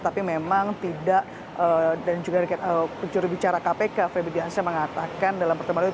tapi memang tidak dan juga jurubicara kpk febri diansyah mengatakan dalam pertemuan itu